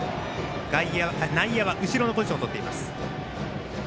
内野は後ろのポジションをとっています。